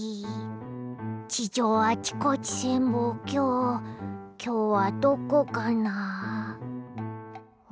地上あちこち潜望鏡きょうはどこかな？